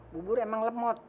bubur emang lemot